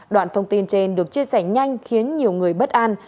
đoạn thông tin trên được chia sẻ nhanh khiến nhiều người bất an